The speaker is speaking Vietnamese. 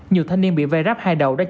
nhiều thanh niên bị vây ráp hai đầu